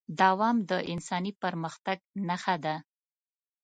دوام د انساني پرمختګ نښه ده.